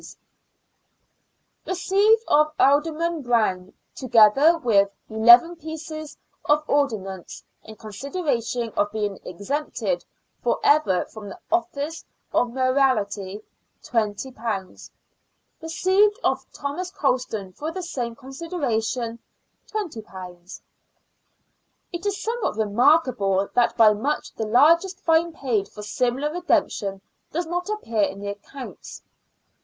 87 " Received of Alderman Browne, together with II pieces of ordnance, in consideration of being exempted for ever from the office of Mayoralty, £20." " Received of Thomas Colston for the same con sideration, £20." It is somewhat remarkable that by much the largest fine paid for similar redemption does not appear in the accounts.